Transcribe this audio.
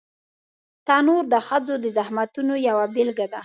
تنور د ښځو د زحمتونو یوه بېلګه ده